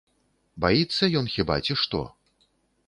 Баіцца ён хіба, ці што?